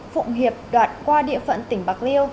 phụng hiệp đoạn qua địa phận tỉnh bạc liêu